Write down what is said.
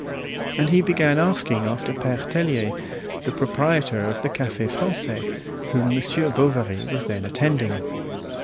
And he began asking after Pere Tellier, the proprietor of the "Cafe Francais," whom Monsieur Bovary was then attending.